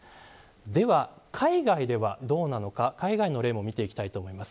では、海外ではどうなのか海外の例も見ていきます。